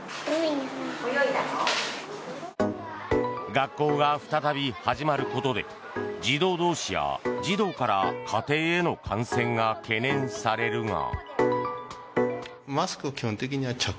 学校が再び始まることで児童同士や児童から家庭への感染が懸念されるが。